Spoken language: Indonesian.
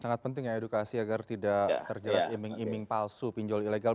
sangat penting ya edukasi agar tidak terjerat iming iming palsu pinjol ilegal